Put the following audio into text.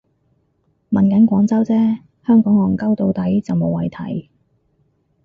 問緊廣州啫，香港戇 𨳊 到底就無謂提